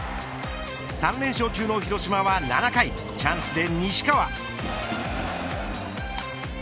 ３連勝中の広島は７回チャンスで西川。